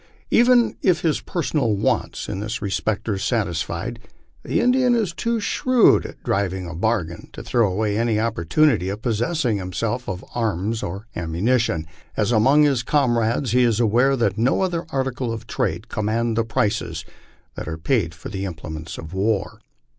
Even if his personal wants in this respect are satisfied, the Indian is too shrewd at driving a bargain to throw away any opportunity of possessing himself of arms or ammunition, as among his comrades he is aware that no other articles of trade command the prices that are paid for implements of war.